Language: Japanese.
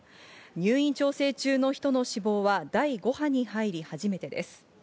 入院調整中の人の死亡は第５波に入り初めてです。